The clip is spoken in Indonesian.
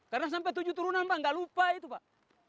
karena sampai tujuh turunan pak nggak lupa itu pak